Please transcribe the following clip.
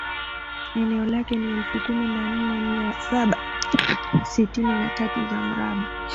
Eneo lake ni elfu kumi na nne mia saba sitini na tatu za mraba